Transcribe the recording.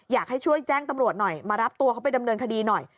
อยากให้ช่วยแจ้งตำรวจหน่อยมารับตัวเขาไปดำเนินคดีหน่อย